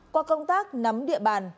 qua công tác nắm địa bàn